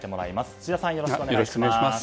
智田さん、よろしくお願いします。